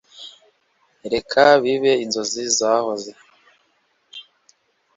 reka bibe inzozi zahoze